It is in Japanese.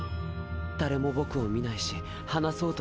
誰も僕を見ないし話そうとしない。